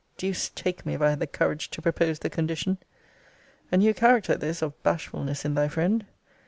Deuce take me, if I had the courage to propose the condition. A new character this of bashfulness in thy friend.